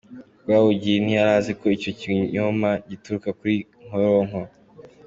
Rwabugili ntiyari azi ko icyo kinyoma gituruka kuri Nkoronko.